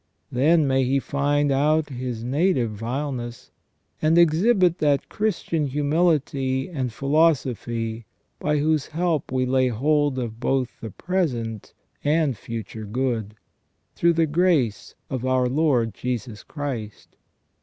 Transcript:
Then may he find out his native vileness, and exhibit that Christian humility and philosophy by 136 SELF AND CONSCIENCE. whose help we lay hold of both the present and future good, through the grace of our Lord Jesus Christ."